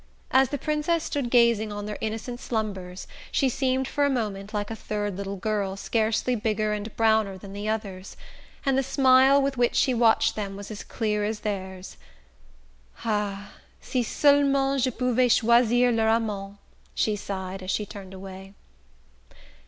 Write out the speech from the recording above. As the Princess stood gazing on their innocent slumbers she seemed for a moment like a third little girl scarcely bigger and browner than the others; and the smile with which she watched them was as clear as theirs. "Ah, si seulement je pouvais choisir leurs amants!" she sighed as she turned away.